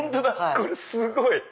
これすごい！